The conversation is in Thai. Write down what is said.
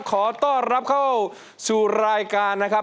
ขอต้อนรับเข้าสู่รายการนะครับ